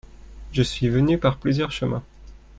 Je suis venu par plusieurs chemins.